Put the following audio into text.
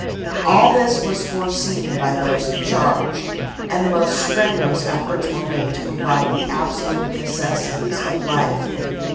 All this was foreseen by those in charge, and the most strenuous efforts were made to provide the absolute necessities of life.